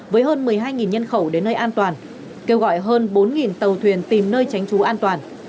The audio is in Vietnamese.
với hơn một mươi hai nhân khẩu đến nơi an toàn kêu gọi hơn bốn tàu thuyền tìm nơi tránh trú an toàn